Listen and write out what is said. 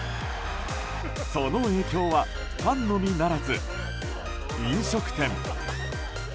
その影響は、ファンのみならず飲食店。